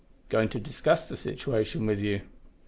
"Going to discuss the situation with you."